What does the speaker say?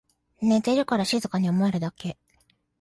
寝てるから静かに思えるだけ